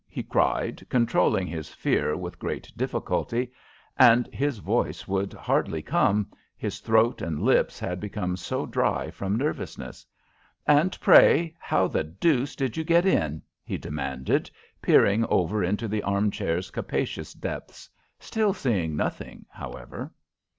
he cried, controlling his fear with great difficulty; and his voice would hardly come, his throat and lips had become so dry from nervousness. "And, pray, how the deuce did you get in?" he demanded, peering over into the arm chair's capacious depths still seeing nothing, however.